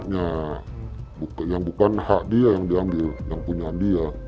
ya yang bukan hak dia yang diambil yang punya dia